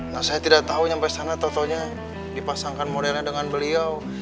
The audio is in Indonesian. nah saya tidak tahu sampai sana totonya dipasangkan modelnya dengan beliau